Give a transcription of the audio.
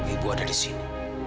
ibu ada di sini